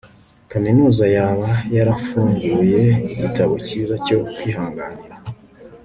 kaminuza yaba yarafunguye igitabo cyiza cyo kwihanganira